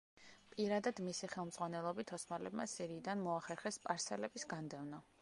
პირადად მისი ხელმძღვანელობით ოსმალებმა სირიიდან მოახერხეს სპარსელების განდევნა.